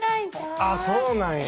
ああ、そうなんや。